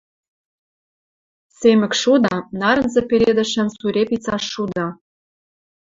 Семӹкшуды — нарынзы пеледӹшӓн сурепица шуды.